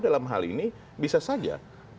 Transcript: dalam hal ini bisa saja